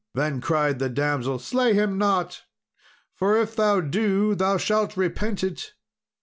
Then cried the damsel, "Slay him not; for if thou do thou shalt repent it."